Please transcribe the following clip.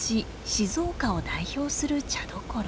静岡を代表する茶どころ。